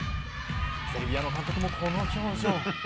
セルビアの監督もこの表情。